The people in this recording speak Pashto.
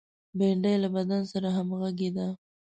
بېنډۍ له بدن سره همغږې ده